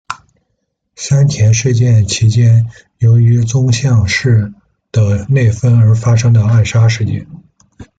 山田事件其间由于宗像氏的内纷而发生的暗杀事件。